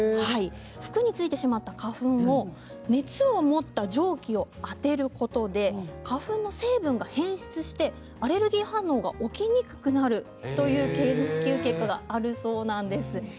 服についてしまった花粉を熱を持った蒸気を当てることで花粉の成分が変質してアレルギー反応が起きにくくなるという研究結果があるそうなんです。